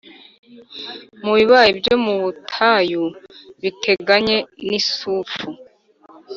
mu bibaya byo mu butayu biteganye n i Sufu